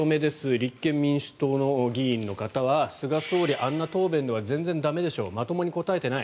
立憲民主党の議員の方は菅総理、あんな答弁では全然駄目でしょまともに答えていない。